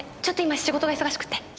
ちょっと今仕事が忙しくって。